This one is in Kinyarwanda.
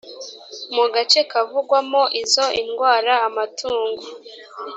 mu gace kavugwamo izo indwara amatungo